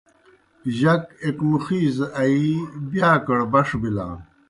جک ایْک مُخِیزہ آیِی بِیاکڑ بݜ بِلان۔